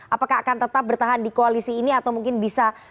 apakah akan tetap bertahan di koalisi ini atau mungkin bisa